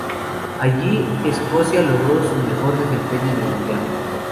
Allí Escocia logró su mejor desempeño en un Mundial.